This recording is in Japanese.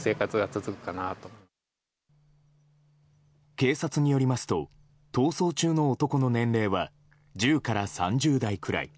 警察によりますと逃走中の男の年齢は１０から３０代くらい。